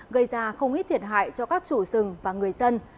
gây ra không ít thiệt hại cho các chủ rừng và người dân